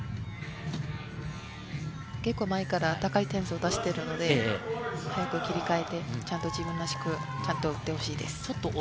結構、前から高い点数を出してるので、うまく切り替えて、自分らしくちゃんと撃ってほしいです。